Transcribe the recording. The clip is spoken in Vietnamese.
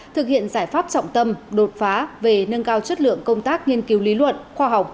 thực hiện giải pháp trọng tâm đột phá về nâng cao chất lượng công tác nghiên cứu lý luận khoa học